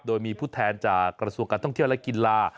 โดยมีผู้แทนจากกระทรวงการท่องเที่ยวและกีฬา